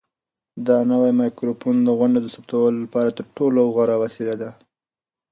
دا نوی مایکروفون د غونډو د ثبتولو لپاره تر ټولو غوره وسیله ده.